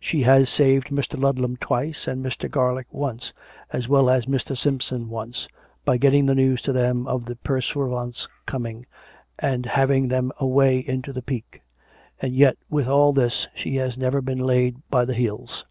She has saved Mr. Ludlam twice, and Mr. Garlick once, as well as Mr. Simpson once, by getting the news to them of the pursuivants' coming, and having them away into the Peak. And yet with all this, she has never been laid by the heels."